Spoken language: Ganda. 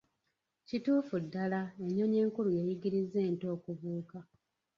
Kituufu ddala ennyonyi enkulu yeeyiriza ento okubuuka.